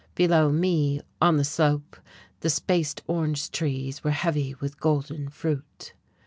Below me, on the slope, the spaced orange trees were heavy with golden fruit.